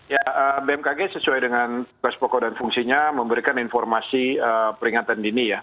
ya bmkg sesuai dengan tugas pokok dan fungsinya memberikan informasi peringatan dini ya